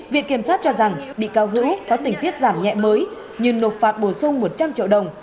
viện kiểm sát cho rằng bị cáo hữu có tình tiết giảm nhẹ mới nhưng nộp phạt bổ sung một trăm linh triệu đồng